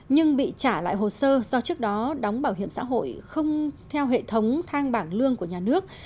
nhưng bị trả lại hồ sơ do trước đó đóng bảo hiểm xã hội không theo hệ thống thang bảng lương của nhà nước